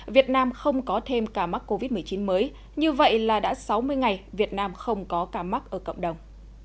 việt nam không có thêm ca mắc covid một mươi chín mới như vậy là đã sáu mươi ngày việt nam không có ca mắc ở cộng đồng